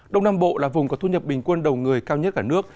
đông nam bộ là vùng có thu nhập bình quân đầu người cao nhất cả nước